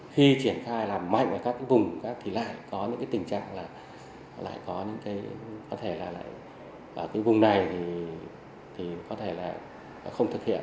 khi triển khai làm mạnh ở các vùng thì lại có những tình trạng là có thể là ở cái vùng này thì có thể là không thực hiện